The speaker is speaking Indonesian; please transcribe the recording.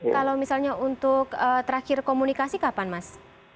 kalau misalnya untuk terakhir komunikasi kapan mas